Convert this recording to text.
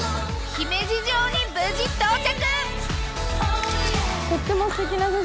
姫路城に無事到着！